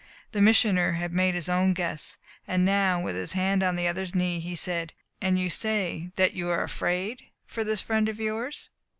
The Missioner had made his own guess. And now, with his hand on the other's knee, he said: "And you say that you are afraid for this friend of yours?"